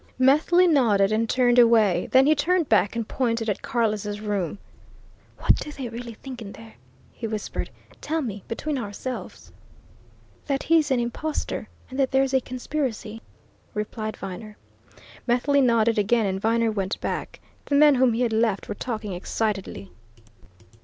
Methley nodded and turned away; then he turned back and pointed at Carless' room. "What do they really think in there?" he whispered. "Tell me between ourselves?" "That he is an impostor, and that there's a conspiracy," replied Viner. Methley nodded again, and Viner went back. The men whom he had left were talking excitedly.